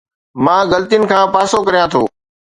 مان غلطين کان پاسو ڪريان ٿو